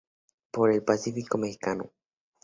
Por el pacífico mexicano.